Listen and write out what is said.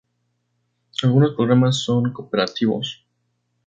Algunos programas son cooperativos.